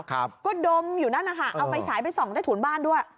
ก็ดมอยู่นั่นนะคะเอาไฟฉายไปส่องใต้ถุนบ้านด้วย